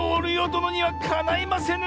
どのにはかないませぬ！